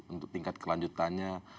untuk tingkat kelanjutannya